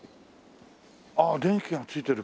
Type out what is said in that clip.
ああ電気がついてるから。